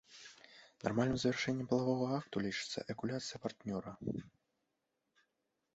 Нармальным завяршэннем палавога акту лічыцца эякуляцыя партнёра.